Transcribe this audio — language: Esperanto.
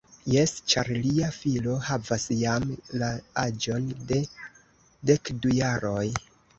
Jes, ĉar lia filo havas jam la aĝon de dekdu jaroj.